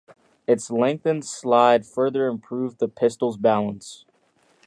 Its lengthened slide further improved the pistol's balance.